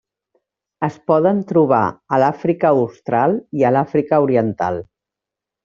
Es poden trobar a l'Àfrica austral i l'Àfrica oriental.